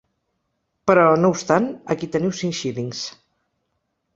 Però, no obstant, aquí teniu cinc xílings.